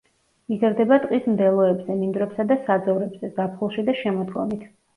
იზრდება ტყის მდელოებზე, მინდვრებსა და საძოვრებზე ზაფხულში და შემოდგომით.